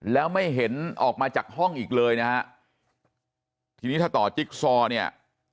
แล้วไม่เห็นออกมาจากห้องอีกเลยนะฮะทีนี้ถ้าต่อจิ๊กซอเนี่ย